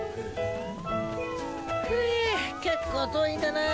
ふぇ結構遠いんだなあ。